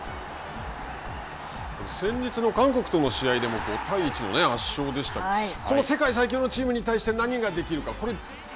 先日の韓国との試合でも５対１の圧勝でしたがこの世界最強のチームに対して何ができるか。